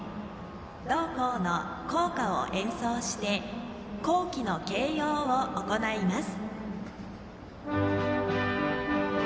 同校の校歌を演奏して校旗の掲揚を行います。